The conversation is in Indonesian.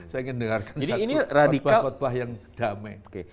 saya ingin dengarkan satu khutbah khutbah yang damai